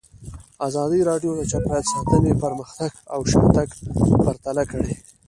ازادي راډیو د چاپیریال ساتنه پرمختګ او شاتګ پرتله کړی.